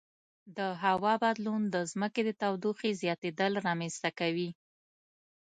د هوا بدلون د ځمکې د تودوخې زیاتیدل رامنځته کوي.